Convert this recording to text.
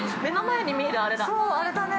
目の前に見えるあれだ。